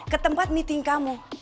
ketempat meeting kamu